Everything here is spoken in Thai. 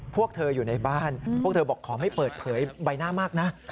พวกเธออยู่ในบ้านพวกเธอบอกขอไม่เปิดเผยใบหน้ามากนะ